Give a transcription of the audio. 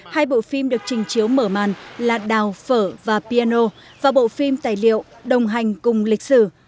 hai bộ phim được trình chiếu mở màn là đào phở và piano và bộ phim tài liệu đồng hành cùng lịch sử